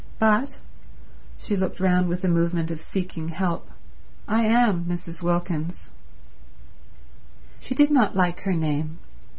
But"—she looked round with a movement of seeking help—"I am Mrs. Wilkins." She did not like her name.